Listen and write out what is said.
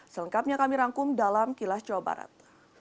selengkapnya kami rangkum dalam kilas jawa barat